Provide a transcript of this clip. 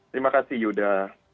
terima kasih yuda